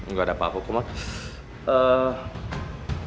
gak ada apa apa komar